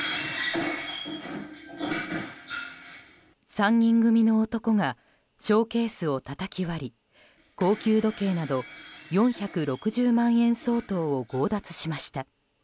３人組の男がショーケースをたたき割り高級時計など４６０万円相当を強奪しました。